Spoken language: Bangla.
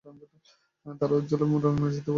তারা উজ্জ্বল রং ও নাটকীয় চিত্র উপস্থাপন করতো।